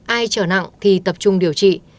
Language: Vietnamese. ai trở nặng thì tập trung điều trị